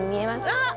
あっ！